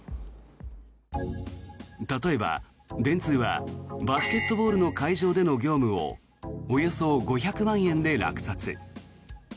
例えば、電通はバスケットボールの会場での業務をおよそ５００万円で落札。